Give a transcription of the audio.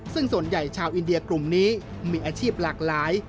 ซึ่งส่วนใหญ่ชาวอินเดียกลุ่มนี้มีอาชีพหลากหลาย